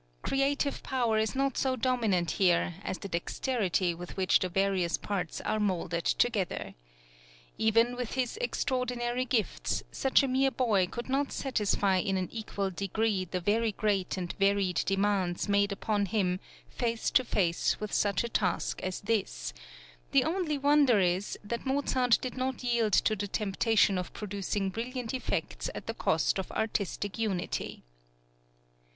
Creative power is not so prominent here as the dexterity with which the various parts are moulded together. Even with his extraordinary gifts, such a mere boy could not satisfy in an equal degree the very great and varied demands made upon him face to face with such a task as this; the only wonder is that Mozart did not yield to the temptation of producing brilliant effects at the cost of artistic unity.